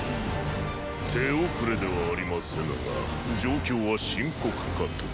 手遅れではありませぬが状況は深刻かと。